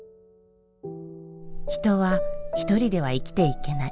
人はひとりでは生きてはいけない。